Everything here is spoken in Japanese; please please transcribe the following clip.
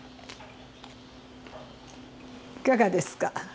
いかがですか。